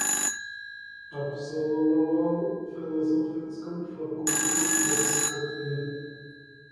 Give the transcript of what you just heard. Absolvoval filozofickou fakultu ve Skopje.